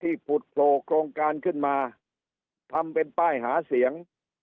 ผุดโผล่โครงการขึ้นมาทำเป็นป้ายหาเสียง